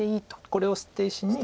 これを捨て石に。